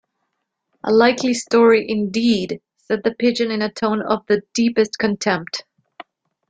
‘A likely story indeed!’ said the Pigeon in a tone of the deepest contempt.